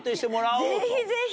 ぜひぜひ！